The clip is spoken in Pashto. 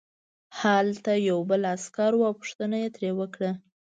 هلته یو بل عسکر و او پوښتنه یې ترې وکړه